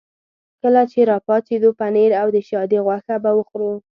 کله چې را پاڅېدو پنیر او د شادي غوښه به وخورو.